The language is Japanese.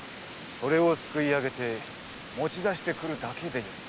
それをすくい上げて持ち出してくるだけでよいのだ。